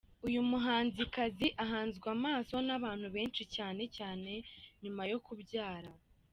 Uyu muhanzikazi ahanzwe amaso n’abantu benshi cyane cyane nyuma yo kubyara.